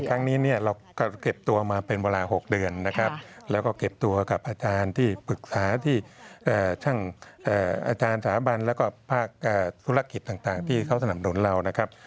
ครั้งนี้เนี่ยเราก็เก็บตัวมาเป็นเวลา๖เดือนนะครับแล้วก็เก็บตัวกับอาจารย์ที่ปรึกษาที่ช่างอาจารย์สถาบันแล้วก็ภาคธุรกิจต่างที่เขาสนับสนุนเรานะครับ